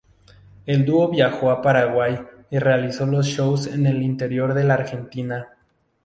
El dúo viajó a Paraguay y realizó shows en el interior de la Argentina.